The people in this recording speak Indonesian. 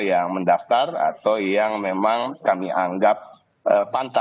yang mendaftar atau yang memang kami anggap pantas